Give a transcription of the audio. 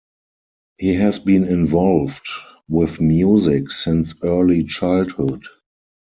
He has been involved with music since early childhood.